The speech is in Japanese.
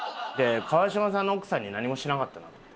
川島さんの奥さんに何もしなかったなと思って。